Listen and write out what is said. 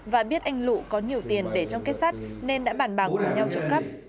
và biết anh lụ có nhiều tiền để trong kết sắt nên đã bàn bàng cùng nhau trộm cắp